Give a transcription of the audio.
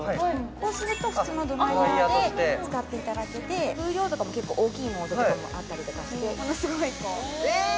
こうすると普通のドライヤーで使っていただけて風量とかも結構大きいモードとかもあったりとかしてものすごいこうえっ！